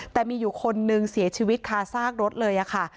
แต่มีอยู่คนนึงเสียชีวิตคาซากรถเลยค่ะ